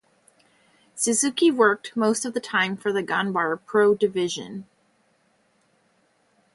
Suzuki worked most of the time for the Ganbare Pro division.